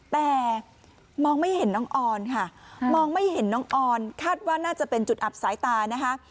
แต่มองไม่เห็นน้องออนค่ะมองไม่เห็นน้องออนคาดว่าน่าจะเป็นจุดอับสายตานะคะ